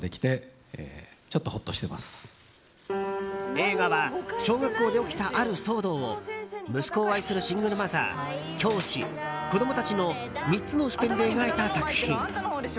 映画は、小学校で起きたある騒動を息子を愛するシングルマザー教師、子供たちの３つの視点で描いた作品。